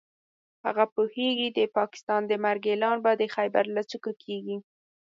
هغه پوهېږي د پاکستان د مرګ اعلان به د خېبر له څوکو کېږي.